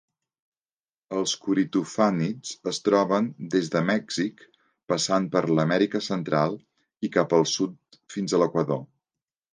Els coritofànids es troben des de Mèxic passant per l'Amèrica Central i cap al sud fins a l'Equador.